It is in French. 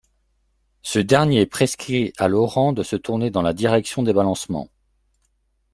Ce dernier prescrit à l’orant de se tourner dans la direction des balancements.